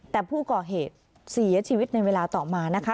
แต่ผู้ก่อเหตุเสียชีวิตในเวลาต่อมานะคะ